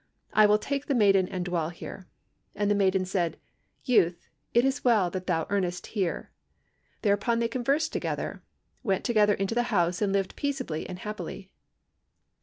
I will take the maiden and dwell here.' And the maiden said, 'Youth, it is well that thou earnest here.' Thereupon they conversed together, went together into the house, and lived peacefully and happily.